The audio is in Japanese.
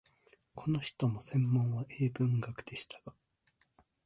この人も専門は英文学でしたが、